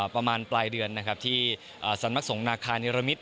ประมาณปลายเดือนนะครับที่สำนักสงฆ์นาคานิรมิต